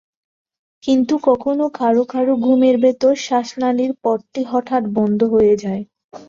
কিন্তু কখনো কারও কারও ঘুমের ভেতর শ্বাসনালির পথটি হঠাৎ বন্ধ হয়ে যায়।